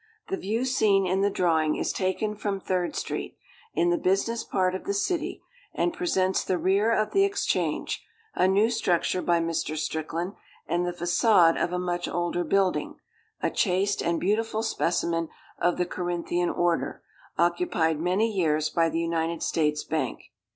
The view seen in the drawing is taken from Third Street, in the business part of the city, and presents the rear of the Exchange, a new structure by Mr. Strickland, and the façade of a much older building, a chaste and beautiful specimen of the Corinthian order, occupied many years by the United States Bank.